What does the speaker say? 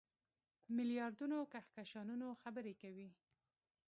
میلیاردونو کهکشانونو خبرې کوي.